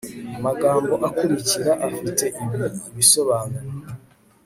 amagambo akurikira afite ibi ibisobanuro